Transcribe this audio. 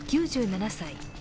９７歳。